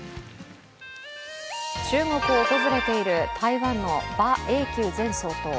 中国を訪れている台湾の馬英九前総統。